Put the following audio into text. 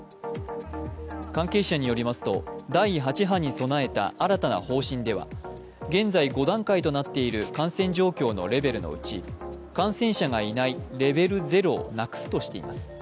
関係者によりますと第８波に備えた新たな方針では現在５段階となっている感染状況のレベルのうち、感染者がいないレベル０をなくすとしています。